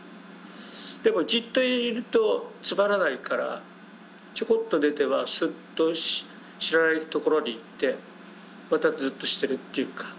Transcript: でもじっといるとつまらないからちょこっと出てはスッと知らない所に行ってまたズッとしてるというか。